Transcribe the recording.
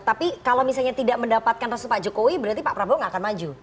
tapi kalau misalnya tidak mendapatkan restu pak jokowi berarti pak prabowo nggak akan maju